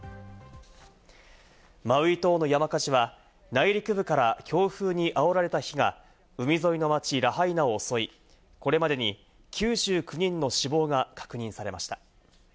マウイ島の山火事は、内陸部から強風にあおられた火が海沿いの街・ラハイナを襲い、これまでに９９人の死亡が確認されました。